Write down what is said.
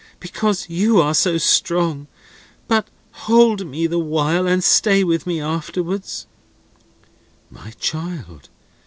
Because you are so strong. But hold me the while, and stay with me afterwards." "My child!